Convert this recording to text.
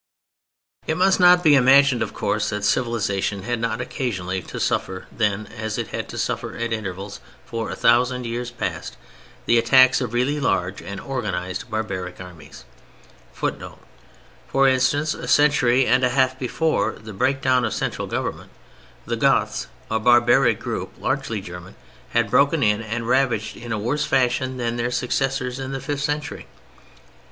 It must not be imagined, of course, that civilization had not occasionally to suffer then, as it had had to suffer at intervals for a thousand years past, the attacks of really large and organized barbaric armies. [Footnote: For instance, a century and a half before the breakdown of central Government, the Goths, a barbaric group, largely German, had broken in and ravaged in a worse fashion than their successors in the fifth century.